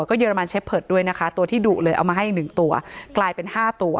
ก็เยอรมันเชฟเผิดด้วยนะคะตัวที่ดุเลยเอามาให้อีกหนึ่งตัวกลายเป็นห้าตัว